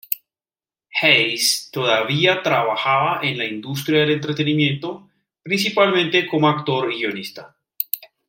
Hayes todavía trabaja en la industria del entretenimiento, principalmente como actor y guionista.